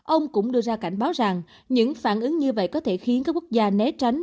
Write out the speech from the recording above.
ông cũng đưa ra cảnh báo rằng những phản ứng như vậy có thể khiến các quốc gia né tránh